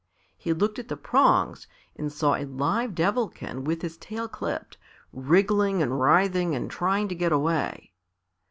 He looked at the prongs and saw a live Devilkin with his tail clipped, wriggling and writhing and trying to get away.